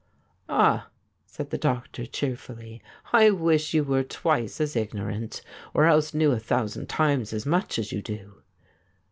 'Ah !' said the doctor cheerfully, ' I wish you were twice as ignorant, or else knew a thousand times as much as you do.'